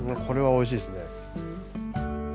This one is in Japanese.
これは美味しいですね。